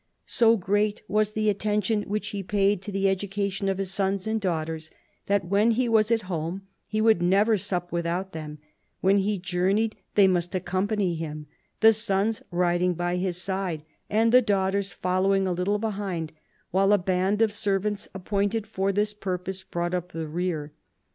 " So great was the attention which he paid to the education of his sons and daughters that when he was at home he would never sup without them ; when he journeyed they must accompany him, the sons riding by his side and the daughters following a little behind, while a band of servants appointed for this purpose brought up the rear.